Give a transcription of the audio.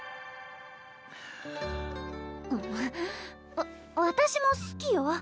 わ私も好きよ。